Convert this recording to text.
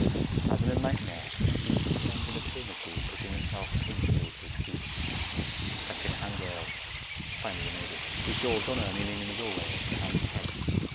As in a nightmare, he seemed to spend an eternity pushing himself painfully to his feet. Clutching a handrail, he finally made it. He saw Donna kneeling in the doorway, hand to head.